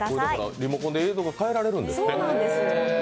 リモコンで映像が変えられるんですね。